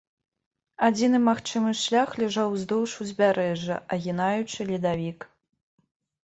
Адзіны магчымы шлях ляжаў уздоўж узбярэжжа, агінаючы ледавік.